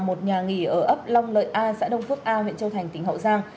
một nhà nghỉ ở ấp long lợi a xã đông phước a huyện châu thành tỉnh hậu giang